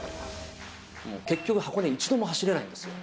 もう結局、箱根一度も走れないんですよ。